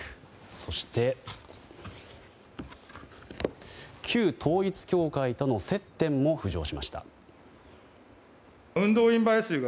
そして、旧統一教会との接点も浮上しました。